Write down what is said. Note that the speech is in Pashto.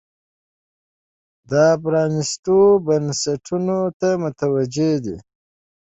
دا پرانیستو بنسټونو ته متوجې دي.